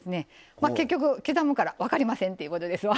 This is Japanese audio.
まあ結局刻むから分かりませんっていうことですわ。